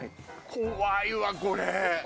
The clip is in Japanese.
怖いわこれ。